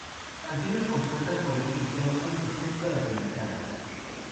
Canciones compuestas por Eric Johnson excepto las indicadas.